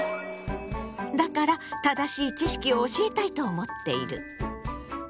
だから正しい知識を教えたいと思っている。